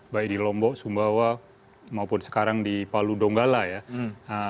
baik di lombok sumbawa maupun sekarang di palu donggala ya